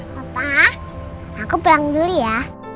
papa aku pulang dulu ya